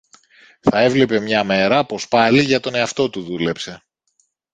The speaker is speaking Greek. θα έβλεπε μια μέρα πως πάλι για τον εαυτό του δούλεψε